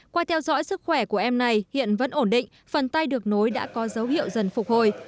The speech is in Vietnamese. qua theo dõi sức khỏe của em này hiện vẫn ổn định phần tay được nối đã có dấu hiệu dần phục hồi